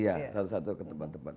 iya satu satu ke tempat tempat